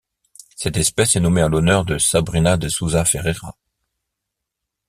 Cette espèce est nommée en l'honneur de Sabrina de Souza Ferreira.